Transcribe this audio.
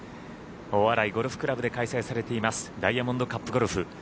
大洗ゴルフ倶楽部で開催されていますダイヤモンドカップゴルフ。